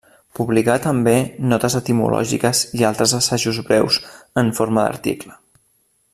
Publicà també notes etimològiques i altres assajos breus en forma d'article.